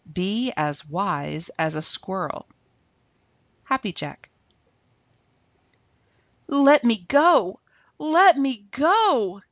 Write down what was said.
Be as wise as a Squirrel. Happy Jack. "Let me go! Let me go!"